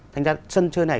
thành ra sân chơi này